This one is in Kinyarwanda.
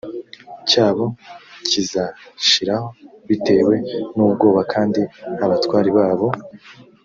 cyabo kizashiraho bitewe n ubwoba kandi abatware babo